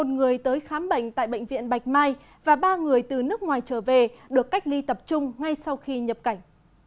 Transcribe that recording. một người tới khám bệnh tại bệnh viện bạch mai và ba người từ nước ngoài trở về được cách ly tập trung ngay sau khi nhập cảnh